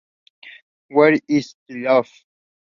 Where is the love?